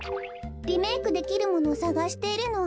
リメークできるものをさがしているの。